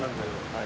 はい。